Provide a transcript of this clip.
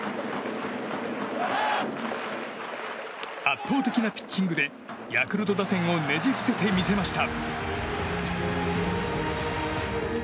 圧倒的なピッチングでヤクルト打線をねじ伏せてみせました。